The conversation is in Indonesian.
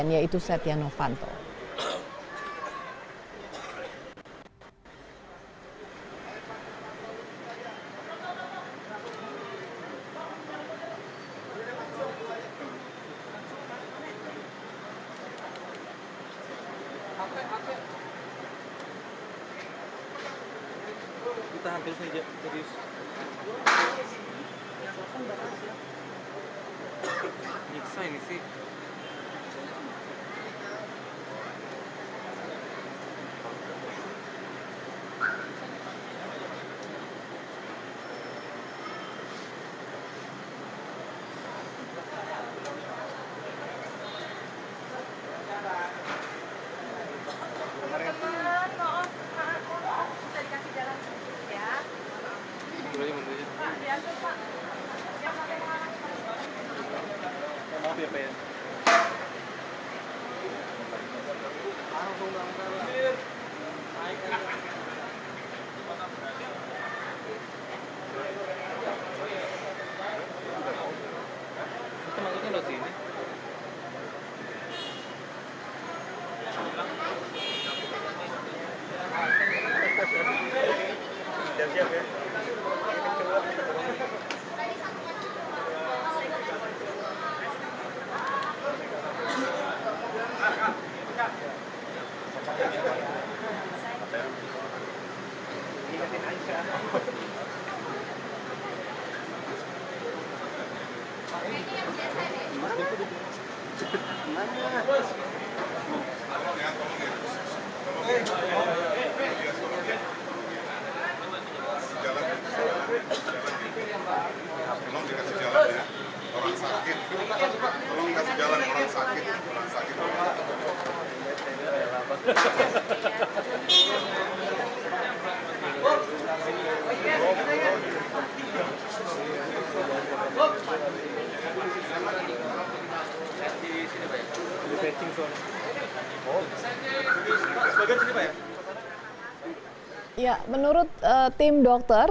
ya menurut tim dokter